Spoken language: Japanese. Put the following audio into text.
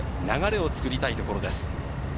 流れを作りたいところです。